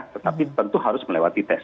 tetapi tentu harus melewati tes